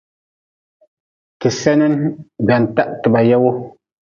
Ti senin gwantah ti ba ye wu.